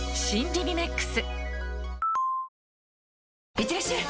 いってらっしゃい！